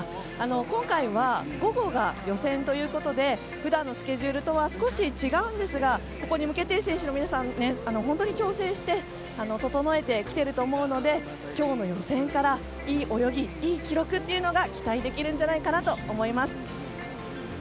今回は午後が予選ということで普段のスケジュールとは少し違うんですがここに向けて選手の皆さん本当に調整して整えてきていると思うので今日の予選からいい泳ぎ、いい記録というのが期待できるんじゃないかと思います。